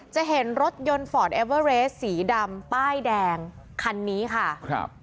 จะเห็นรถยนต์ฟอร์ดเอเวอร์เรสสีดำป้ายแดงคันนี้ค่ะครับ